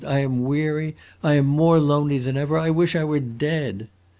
"I am weary, I am more lonely than ever, I wish I were dead!"